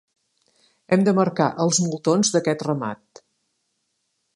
Hem de marcar els moltons d'aquest ramat.